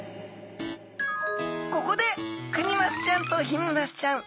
ここでクニマスちゃんとヒメマスちゃん